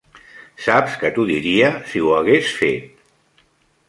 Saps que t'ho diria si ho hagués fet.